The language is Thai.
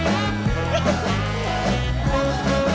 รับทราบ